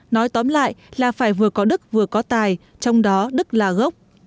nói tóm lại là phải vừa có đức vừa có tài trong đó đức là gốc